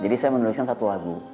jadi saya menuliskan satu lagu